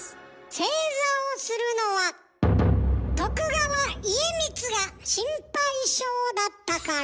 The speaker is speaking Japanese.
正座をするのは徳川家光が心配性だったから。